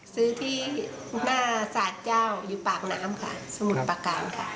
ซื้อที่หน้าศาลเจ้าอยู่ปากน้ำค่ะสมุทรประการค่ะ